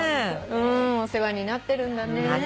お世話になってるんだね。